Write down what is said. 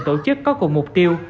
tổ chức có cùng mục tiêu